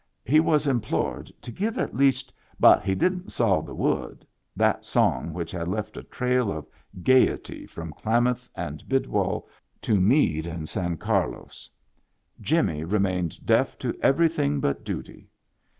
He was implored to give at least " But he didn't saw the wood," that song which had left a trail of gayety from Klamath and Bidwell to Meade and San Carlos. Jimmy remained deaf to everything but duty.